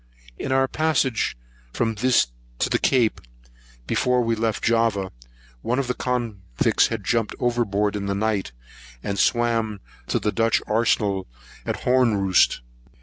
In our passage from this to the Cape, before we left Java, one of the convicts had jumped over board in the night, and swam to the Dutch arsenal at Honroost.